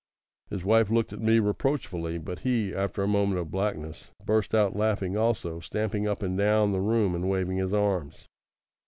His wife looked at me reproachfully; but he, after a moment of blackness, burst out laughing also, stamping up and down the room and waving his arms.